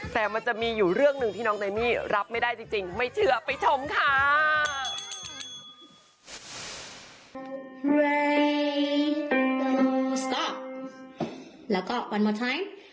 แต่มันจะมีอยู่เรื่องหนึ่งที่น้องเดมี่รับไม่ได้จริงไม่เชื่อไปชมค่ะ